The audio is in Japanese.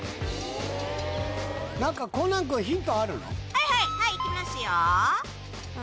はいはいはい行きますよ。